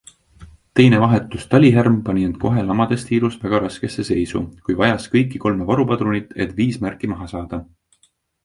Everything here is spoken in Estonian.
Teine vahetus Talihärm pani end kohe lamadestiirus väga raskesse seisu, kui vajas kõiki kolme varupadrunit, et viis märki maha saada.